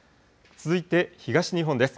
続いて東日本です。